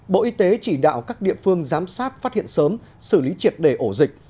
bộ y tế chỉ đạo các địa phương giám sát phát hiện sớm xử lý triệt đề ổ dịch